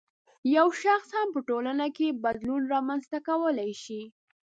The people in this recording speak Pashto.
یو شخص هم په ټولنه کې بدلون رامنځته کولای شي